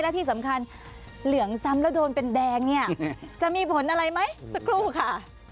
และที่สำคัญเหลืองซ้ำแล้วโดนเป็นแดงเนี่ยจะมีผลอะไรไหมสักครู่ค่ะ